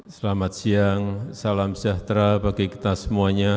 selamat siang salam sejahtera bagi kita semuanya